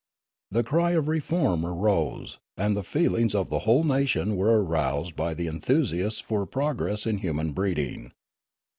The cry of reform arose, and the feelings of the whole nation were aroused by the enthusiasts for progress in human breeding.